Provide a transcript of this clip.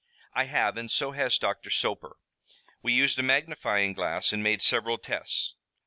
"I have, and so has Doctor Soper. We used a magnifying glass and made several tests."